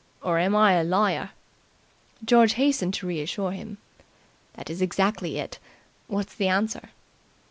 Or am I a liar?" George hastened to reassure him. "That is exactly it. What's the answer?"